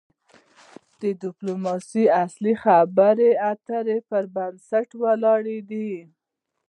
د د ډيپلوماسی اصل د خبرو اترو پر بنسټ ولاړ دی.